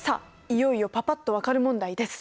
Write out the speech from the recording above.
いよいよパパっと分かる問題です。